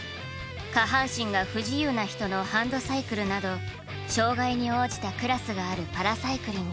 下半身が不自由な人のハンドサイクルなど障害に応じたクラスがあるパラサイクリング。